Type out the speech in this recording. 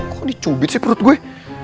kok dicubit sih perut gue